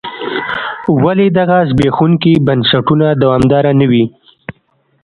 ولې دغه زبېښونکي بنسټونه دوامداره نه وي.